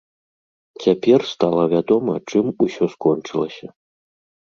Цяпер стала вядома, чым усё скончылася.